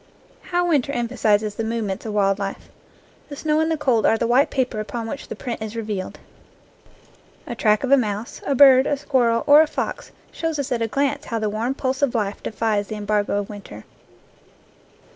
How winter emphasizes the movements of wild life ! The snow and the cold are the white paper upon which the print is revealed. A track of a mouse, a bird, a squirrel, or a fox shows us at a glance how the warm pulse of life defies the embargo of winter.